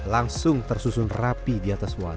langsung tersusun rapi di atas waduk